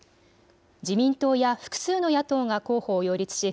自民党や複数の野党が候補を擁立し